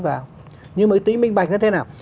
vào nhưng mà cái tính mình bạch nó thế nào